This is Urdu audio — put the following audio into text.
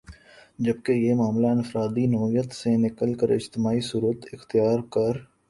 جبکہ یہ معاملہ انفرادی نوعیت سے نکل کر اجتماعی صورت اختیار کر